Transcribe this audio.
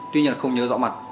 tuy nhiên không nhớ rõ mặt